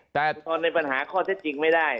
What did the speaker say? ใช่อุทธรณในปัญหาข้อเท็จจริงไม่ได้